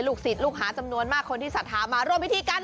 ศิษย์ลูกหาจำนวนมากคนที่สัทธามาร่วมพิธีกัน